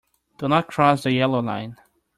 Do not cross the yellow line.